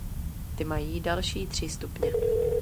Ty mají další tři stupně.